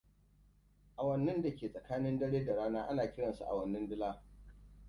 Awannin dake tsakanin dare da rana ana kiransu awannin dila.